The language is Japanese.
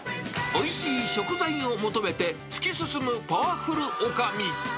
おいしい食材を求めて、突き進むパワフルおかみ。